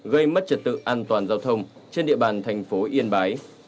gây mất trật tự an toàn giao thông trên địa bàn thành phố yên bái